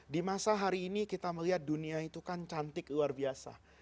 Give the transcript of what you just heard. di masa hari ini kita melihat dunia itu kan cantik luar biasa